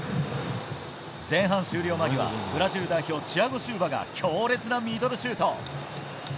前半終了間際、ブラジル代表チアゴ・シウバが強烈なミドルシュート。